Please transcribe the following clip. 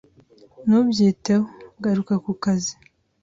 Ntubyiteho. Garuka ku kazi.